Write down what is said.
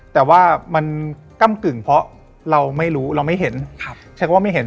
แต่ว่ามันกำกึ่งเพราะเราไม่รู้เรามันไม่เห็น